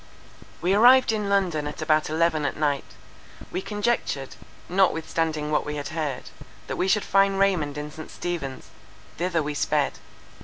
We arrived in London at about eleven at night. We conjectured, notwithstanding what we had heard, that we should find Raymond in St. Stephen's: thither we sped.